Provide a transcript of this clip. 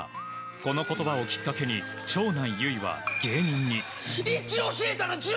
この言葉をきっかけに長男・侑潔は芸人に。